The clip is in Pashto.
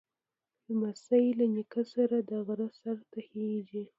لمسی له نیکه سره د غره سر ته خېږي.